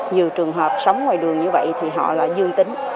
nhiều trường hợp sống ngoài đường như vậy thì họ lại dương tính